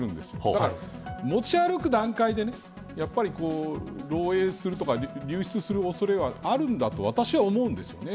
だから、持ち歩く段階でやっぱり漏えいするとか流出する恐れはあるんだと私は思うんですよね。